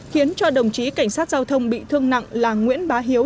khiến cho đồng chí cảnh sát giao thông bị thương nặng là nguyễn bá hiếu